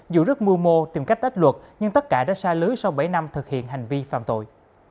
dù rất mưu mô tìm cách ách luật nhưng tất cả đã xa lưới sau bảy năm thực hiện hành vi phạm tội